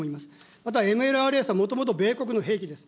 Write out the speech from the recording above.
またＭＬＲＳは元々米国の兵器です。